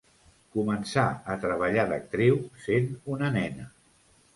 Començà a treballar d'actriu sent una nena.